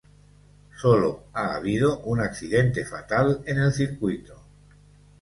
Sólo ha habido un accidente fatal en el circuito.